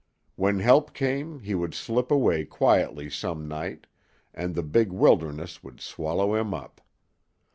When help came he would slip away quietly some night, and the big wilderness would swallow him up.